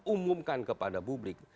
umumkan kepada publik